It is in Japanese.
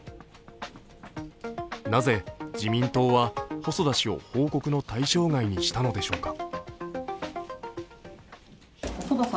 なぜ自民党は細田氏を報告の対象外にしたのでしょうか。